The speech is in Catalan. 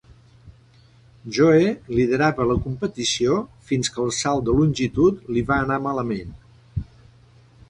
Joe liderava la competició fins que el salt de longitud li va anar malament.